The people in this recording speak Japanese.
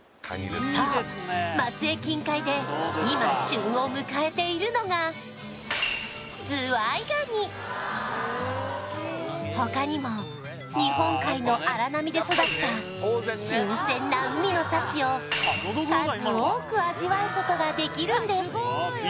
そう松江近海で今旬を迎えているのが他にも日本海の荒波で育った新鮮な海の幸を数多く味わうことができるんです